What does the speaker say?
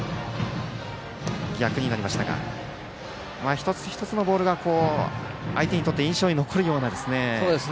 一つ一つのボールが相手にとって印象に残るような。